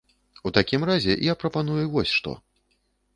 У такім разе я прапаную вось што.